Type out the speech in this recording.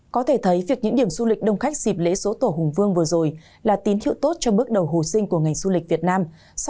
có thể thấy việc những điểm du lịch đông khách dịp lễ số tổ hùng vương vừa rồi là tín hiệu tốt cho bước đầu hồi sinh của ngành du lịch việt nam